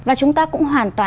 và chúng ta cũng hoàn toàn